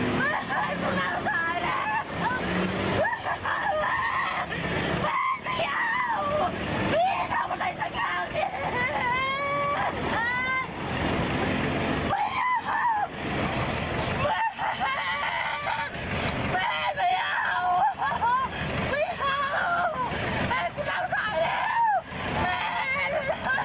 พี่ทำอะไรสักคราวนี้